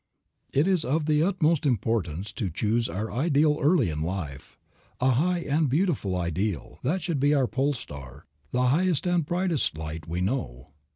It is of the utmost importance to choose our ideal early in life, a high and beautiful ideal, that shall be our pole star, the highest, brightest light we know.